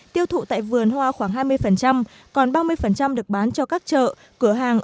tiêu thụ tại vườn hoa khoảng hai mươi còn ba mươi được bán cho các chợ cửa hàng